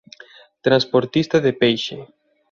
Transportista de peixe.